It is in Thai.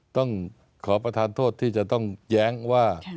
ต้องขอประทานโทษที่จะต้องแย้งว่า